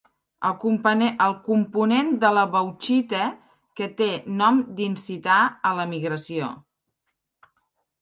El component de la bauxita que té nom d'incitar a l'emigració.